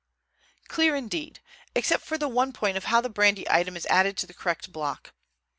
"Clear, indeed, except for the one point of how the brandy item is added to the correct block."